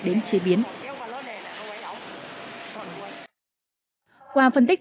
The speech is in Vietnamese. các doanh nghiệp chế biến và xuất khẩu cá cha